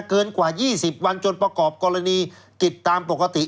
เกินกว่า๒๐วันจนประกอบกรณีกิจตามปกติ